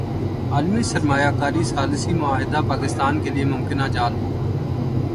عالمی سرمایہ کاری ثالثی معاہدہ پاکستان کیلئے ممکنہ جال